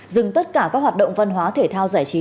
dừng tất cả các hoạt động văn hóa thể thao giải trí